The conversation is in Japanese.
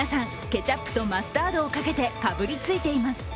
ケチャップとマスタードをかけて、かぶりついています。